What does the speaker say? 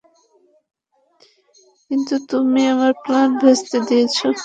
কিন্তু তুমি আমার প্ল্যান ভেস্তে দিয়েছ।